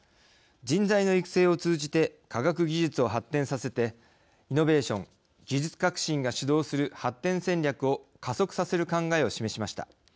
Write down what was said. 人材の育成を通じて科学技術を発展させてイノベーション＝技術革新が主導する発展戦略を加速させる考えを示しました。